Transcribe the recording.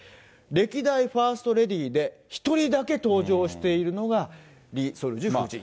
歴代ファーストレディーで、１人だけ登場しているのが、リ・ソルジュ夫人。